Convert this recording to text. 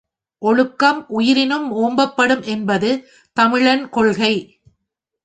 ஒழுக்கம் உயிரினும் ஓம்பப்படும் என்பது தமிழன் கொள்கை.